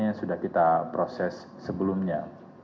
yang sudah kita proses sebelumnya